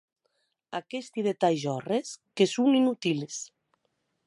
Aguesti detalhs òrres que son inutils.